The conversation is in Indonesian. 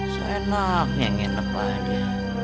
seenaknya nginep aja